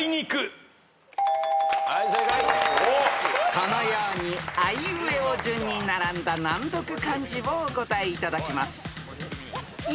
［このようにあいうえお順に並んだ難読漢字をお答えいただきます］